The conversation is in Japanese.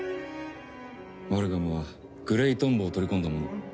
マルガムはグレイトンボを取り込んだもの。